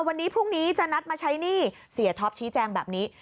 วันนี้พรุ่งนี้จะนัดมาใช้หนี้เสียท็อปชี้แจงแบบนี้